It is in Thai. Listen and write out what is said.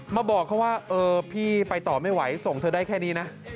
บอกเขาว่าเออพี่ไปต่อไม่ไหวส่งเธอได้แค่นี้นะ